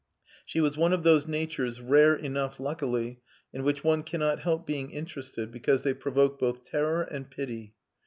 She was one of those natures, rare enough, luckily, in which one cannot help being interested, because they provoke both terror and pity.